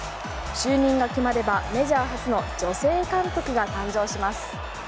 就任が決まればメジャー初の女性監督が誕生します。